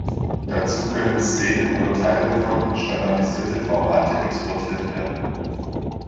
Dazu können Szenen oder Teile davon in standardisierte Formate exportiert werden.